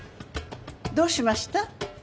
どうしました？